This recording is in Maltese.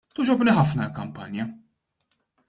Togħġobni ħafna l-kampanja.